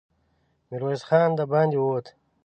ميرويس خان د باندې ووت.